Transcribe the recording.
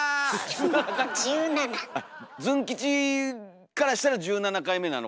あっズン吉からしたら１７回目なのかな？